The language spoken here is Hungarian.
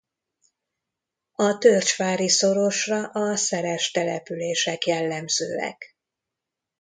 A Törcsvári-szorosra a szeres települések jellemzőek.